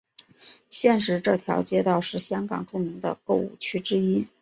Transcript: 现时这条街道是香港著名的购物区之一。